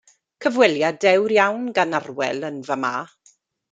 Cyfweliad dewr iawn gan Arwel yn fa'ma.